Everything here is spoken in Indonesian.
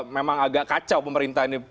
memang agak kacau pemerintah ini